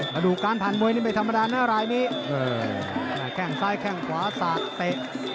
ดูการผ่านมวยนี่ไม่ธรรมดานะรายนี้แข้งซ้ายแข้งขวาสาดเตะ